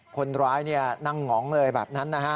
คนร้ายนั่งหงองเลยแบบนั้นนะฮะ